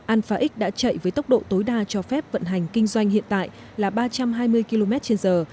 alpha x đã chạy với tốc độ tối đa cho phép vận hành kinh doanh hiện tại là ba trăm hai mươi km trên giờ